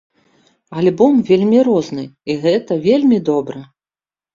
Альбом вельмі розны і гэта вельмі добра!